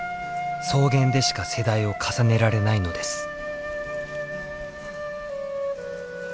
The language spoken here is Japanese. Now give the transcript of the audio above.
草原でしか世代を重ねられないのです。